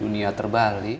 ini yang terbali